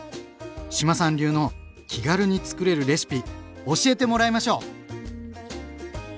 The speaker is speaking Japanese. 志麻さん流の気軽につくれるレシピ教えてもらいましょう！